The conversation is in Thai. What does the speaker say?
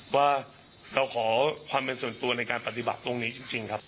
ว่าเราขอความเป็นส่วนตัวในการปฏิบัติตรงนี้จริงครับ